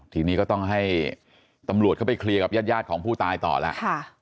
ทีนี้ก็ต้องให้ตำรวจเข้าไปเคลียร์กับญาติของผู้ตายต่อแล้ว